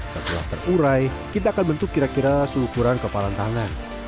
setelah terurai kita akan bentuk kira kira seukuran kepalan tangan